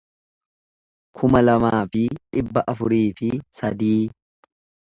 kuma lamaa fi dhibba afurii fi sadii